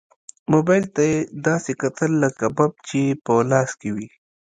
موبايل ته يې داسې کتل لکه بم چې يې په لاس کې وي.